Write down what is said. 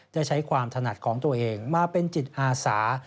ได้ใช้ความถนัดของตัวเองมาเป็นจิตอาสา